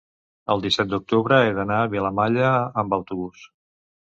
el disset d'octubre he d'anar a Vilamalla amb autobús.